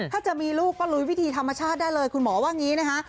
ถ้าจะมีลูกก็ลุยวิธีธรรมชาติได้เลยคุณหมอว่างี้นะคะ